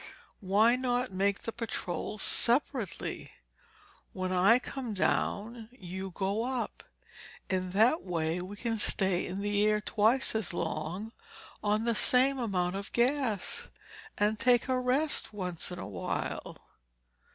"Why not make the patrols separately? When I come down, you go up. In that way we can stay in the air twice as long on the same amount of gas, and take a rest once in a while."